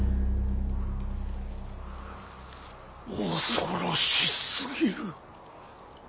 恐ろしすぎる。